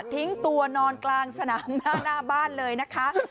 ทิ้งตัวนอนกลางสนามหน้าบ้านเลยนะคะ